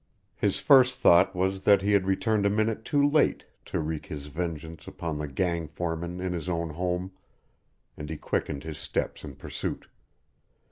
His first thought was that he had returned a minute too late to wreak his vengeance upon the gang foreman in his own home, and he quickened his steps in pursuit.